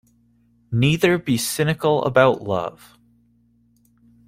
Neither be cynical about love